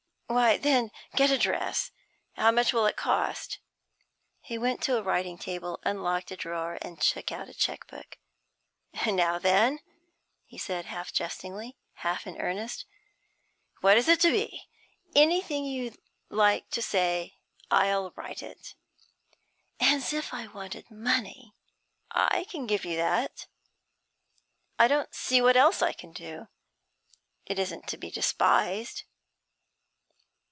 'Why then, get a dress. How much will it cost?' He went to a writing table, unlocked a drawer, and took out a cheque book. 'Now then,' he said, half jestingly, half in earnest, 'what is it to be? Anything you like to say I'll write it.' 'As if I wanted money!' 'I can give you that. I don't see what else I can do. It isn't to be despised.'